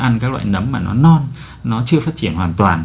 ăn các loại nấm mà nó non nó chưa phát triển hoàn toàn